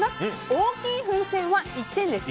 大きい風船は１点です。